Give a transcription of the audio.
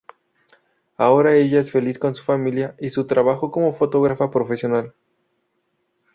Ahora ella es feliz con su familia y su trabajo como fotógrafa profesional.